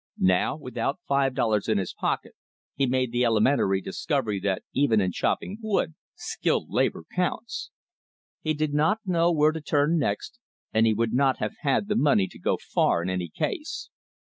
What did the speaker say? Now, without five dollars in his pocket, he made the elementary discovery that even in chopping wood skilled labor counts. He did not know where to turn next, and he would not have had the money to go far in any case.